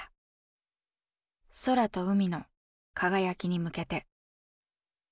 「空と海の輝きに向けて」。